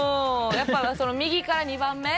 やっぱその右から２番目？